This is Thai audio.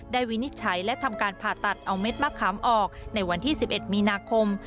วินิจฉัยและทำการผ่าตัดเอาเม็ดมะขามออกในวันที่๑๑มีนาคม